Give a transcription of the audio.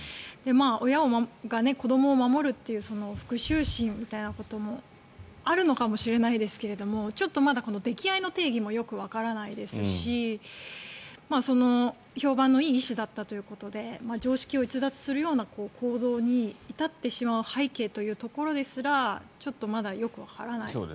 親が子どもを守るという復しゅう心みたいなこともあるのかもしれないですがちょっとまだ溺愛の定義もよくわからないですし評判のいい医師だったということで常識を逸脱するような行動に至ってしまう背景というところですらちょっとまだよくわからない。